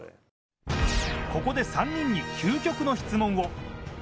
ここで３人に究極の質問を。